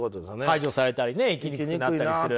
排除されたりね生きにくくなったりする。